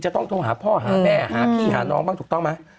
ต้องโทรหาพ่อหาแม่หาพี่หาน้องบ้างถูกต้องไหม